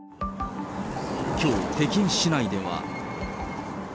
きょう、北京市内では。